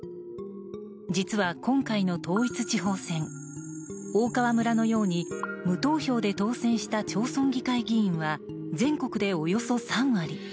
実は今回の統一地方選大川村のように無投票で当選した町村議会議員は全国でおよそ３割。